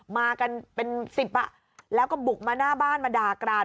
มากันเป็นสิบอ่ะแล้วก็บุกมาหน้าบ้านมาด่ากราด